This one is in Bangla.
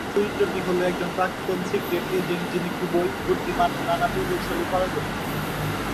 চরিত্রটি হল একজন প্রাক্তন সিক্রেট এজেন্ট যিনি খুবই বুদ্ধিমান ও নানা কৌশলে পারদর্শী।